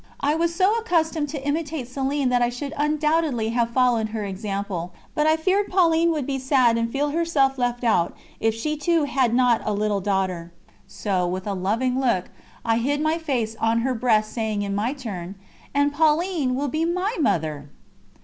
I was so accustomed to imitate Céline that I should undoubtedly have followed her example, but I feared Pauline would be sad and feel herself left out if she too had not a little daughter. So, with a loving look, I hid my face on her breast saying in my turn: "And Pauline will be my Mother."